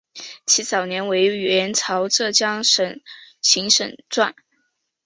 其早年为元朝浙江行省掾。